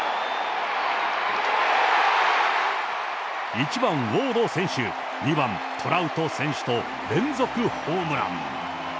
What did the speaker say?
１番ウォード選手、２番トラウト選手と、連続ホームラン。